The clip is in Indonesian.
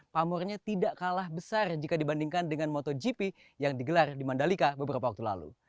pamornya tidak kalah besar jika dibandingkan dengan motogp yang digelar di mandalika beberapa waktu lalu